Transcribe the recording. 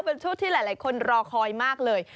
เป็นช่วงที่หลายคนรอคอยมากเลย